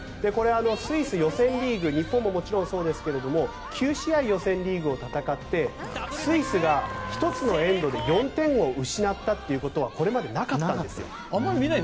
スイス予選リーグ日本ももちろんそうですけども９試合、予選リーグを戦いスイスが１つのエンドで４点を失ったということはこれまでなかったんです。